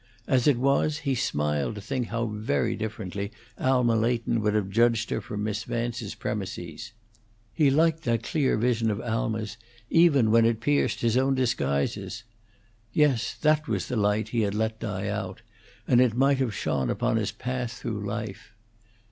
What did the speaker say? As it was, he smiled to think how very differently Alma Leighton would have judged her from Miss Vance's premises. He liked that clear vision of Alma's even when it pierced his own disguises. Yes, that was the light he had let die out, and it might have shone upon his path through life.